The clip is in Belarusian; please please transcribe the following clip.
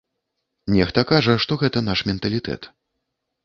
Нехта кажа, што гэта наш менталітэт.